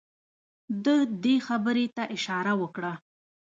ده دې خبرې ته اشاره وکړه.